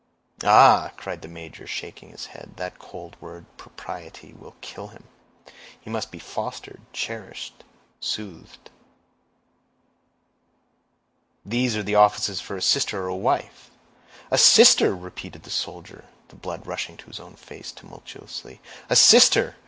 "Ah!" cried the major, shaking his head, "that cold word propriety will kill him; he must be fostered, cherished, soothed." "These are offices for a sister or a wife." "A sister!" repeated the soldier, the blood rushing to his own face tumultuously; "a sister!